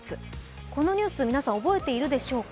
このニュース、皆さん覚えているでしょうか？